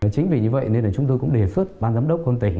chính vì như vậy nên là chúng tôi cũng đề xuất ban giám đốc quân tỉnh